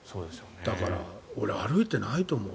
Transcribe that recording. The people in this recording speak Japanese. だから俺、歩いてないと思う。